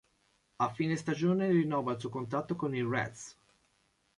A fine stagione rinnova il suo contratto con i reds.